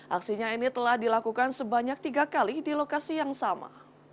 aksinya ini telah dilakukan sebanyak tiga kali di lokasi yang sama